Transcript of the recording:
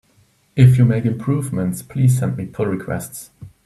If you make improvements, please send me pull requests!